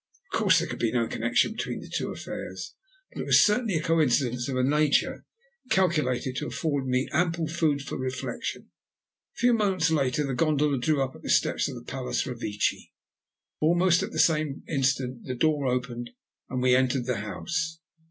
Of course there could be no connection between the two affairs, but it was certainly a coincidence of a nature calculated to afford me ample food for reflection. A few moments later the gondola drew up at the steps of the Palace Revecce. Almost at the same instant the door opened and we entered the house.